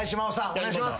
お願いします。